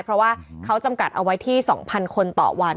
เพราะว่าเขาจำกัดเอาไว้ที่๒๐๐คนต่อวัน